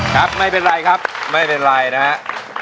ครับไม่เป็นไรครับไม่เป็นไรนะครับ